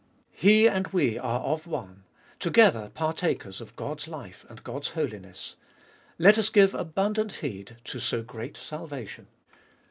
He and we are of one, together partakers of God's life and God's holiness. Let us give abundant heed to so great salvation.